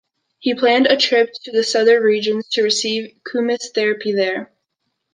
He planned a trip to the southern regions to receive kumiss therapy there.